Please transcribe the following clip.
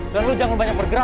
dan lu jangan banyak bergerak